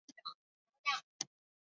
奥勒济人口变化图示